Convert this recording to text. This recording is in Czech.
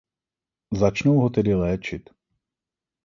Začnou ho tedy léčit.